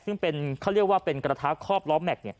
ซึ่งเขาเรียกว่าเป็นกระทะคอบล้อแม็กซ์